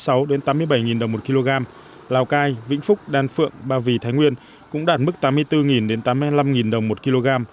cụ thể giá lợn hơi tại lào cai vĩnh phúc đan phượng ba vì thái nguyên cũng đạt mức tám mươi bốn tám mươi năm đồng một kg